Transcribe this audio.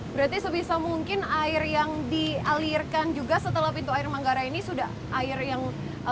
berarti sebisa mungkin air yang dialirkan juga setelah pintu air manggarai ini sudah air yang